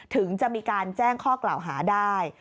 ถึงจะมีการแจ้งข้อกล่าวหาได้